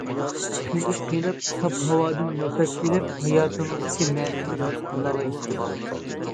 قېنىپ-قېنىپ ساپ ھاۋادىن نەپەس ئېلىپ ھاياتىڭىزدىكى مەنىنى ھېس قىلالايسىز.